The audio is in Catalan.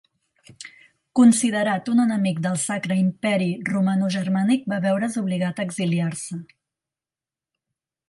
Considerat un enemic del Sacre Imperi Romanogermànic va veure's obligat a exiliar-se.